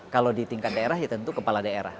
kalau di tingkat daerah ya tentu kepala daerah